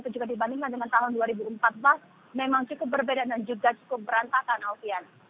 jika dibandingkan dengan tahun dua ribu empat belas memang cukup berbeda dan juga cukup berantakan alfian